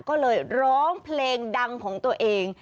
ก็เลยร้องเพลงดังของตัวเอง